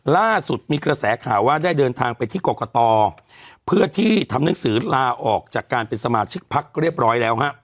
ล่าสุดมีกระแสข่าวว่าได้เดินทางไปที่กรกตเพื่อที่ทำหนังสือลาออกจากการเป็นสมาชิกพักเรียบร้อยแล้วฮะ